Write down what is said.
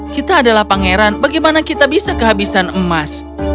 kita adalah pangeran bagaimana kita bisa kehabisan emas